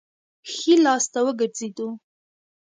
ښي لاس ته وګرځېدو.